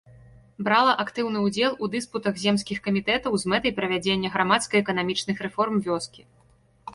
Брала актыўны ўдзел у дыспутах земскіх камітэтаў, з мэтай правядзення грамадска-эканамічных рэформ вёскі.